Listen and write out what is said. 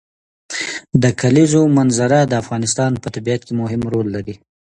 د کلیزو منظره د افغانستان په طبیعت کې مهم رول لري.